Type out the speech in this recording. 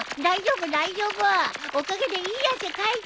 おかげでいい汗かいたよ！